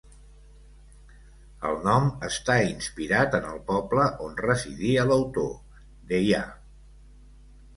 El nom està inspirat en el poble on residia l'autor, Deià.